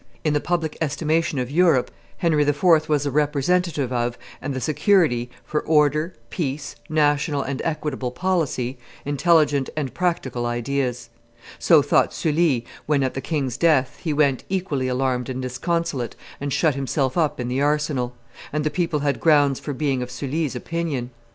In the public estimation of Europe Henry IV. was the representative of and the security for order, peace, national and equitable policy, intelligent and practical ideas. So thought Sully when, at the king's death, he went, equally alarmed and disconsolate, and shut himself up in the arsenal; and the people had grounds for being of Sully's opinion.